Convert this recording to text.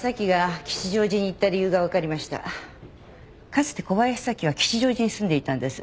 かつて小林早紀は吉祥寺に住んでいたんです。